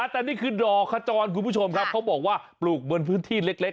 แต่นี่คือดอกขจรคุณผู้ชมครับเขาบอกว่าปลูกบนพื้นที่เล็ก